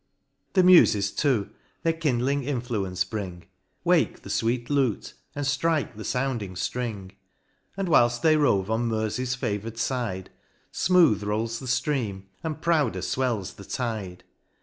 The Muses too, their kindling influence bring, Wake the fweet lute, and ftrike the foundinor ftrins And whilft they rove on Mersey's favour'd flde, Smooth rolls the ftream, and prouder fwells the tide.